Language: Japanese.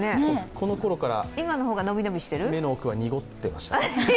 このころから目の奥が濁ってました。